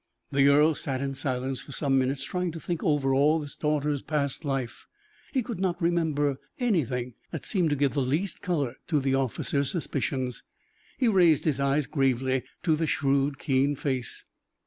The earl sat in silence for some minutes, trying to think over all his daughter's past life; he could not remember anything that seemed to give the least color to the officer's suspicions. He raised his eyes gravely to the shrewd, keen face.